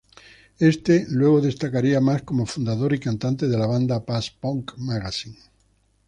Éste luego destacaría más como fundador y cantante de la banda post-punk Magazine.